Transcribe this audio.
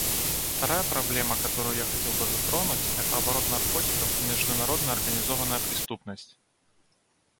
Вторая проблема, которую я хотел бы затронуть, это оборот наркотиков и международная организованная преступность.